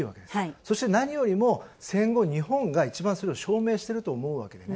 そして何よりも、戦後、日本が、一番それを証明していると思うんですね。